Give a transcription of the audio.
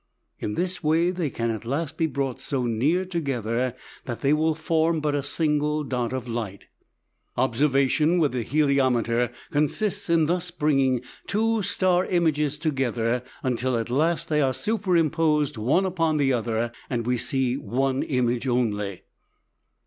In this way they can at last be brought so near together that they will form but a single dot of light. Observation with the heliometer consists in thus bringing two star images together, until at last they are superimposed one upon the other, and we see one image only.